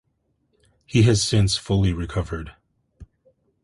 He has since fully recovered.